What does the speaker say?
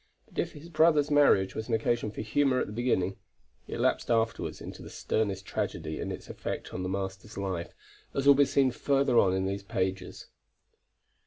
But if his brother's marriage was an occasion for humor at the beginning, it lapsed afterward into the sternest tragedy in its effect on the master's life, as will be seen further on in these pages.